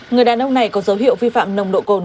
người đàn ông này có dấu hiệu vi phạm nồng độ cồn